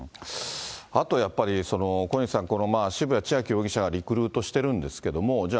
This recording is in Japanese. あとやっぱり、小西さん、この渋谷千秋容疑者がリクルートしてるんですけども、じゃあ、